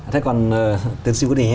thế còn tiến sĩ quý đình